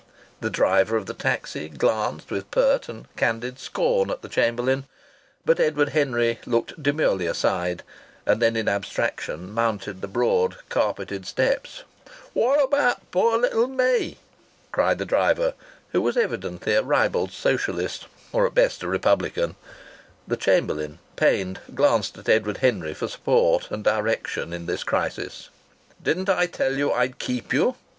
The driver of the taxi glanced with pert and candid scorn at the chamberlain, but Edward Henry looked demurely aside, and then in abstraction mounted the broad carpeted steps. "What about poor little me?" cried the driver, who was evidently a ribald socialist, or at best a republican. The chamberlain, pained, glanced at Edward Henry for support and direction in this crisis. "Didn't I tell you I'd keep you?"